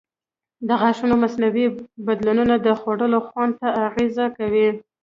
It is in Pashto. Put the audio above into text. د غاښونو مصنوعي بدیلونه د خوړو خوند ته اغېز کوي.